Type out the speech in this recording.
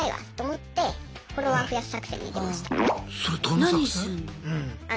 何すんの？